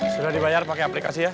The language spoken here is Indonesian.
sudah dibayar pakai aplikasi ya